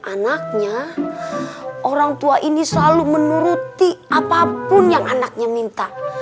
anaknya orang tua ini selalu menuruti apapun yang anaknya minta